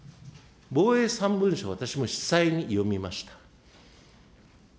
防衛３文書、私も子細に読みました。